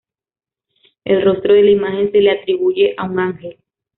El rostro de la imagen se le atribuye a un ángel.